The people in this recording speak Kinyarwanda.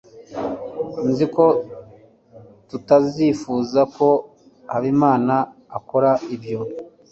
nzi ko tutazifuza ko habimana akora ibyo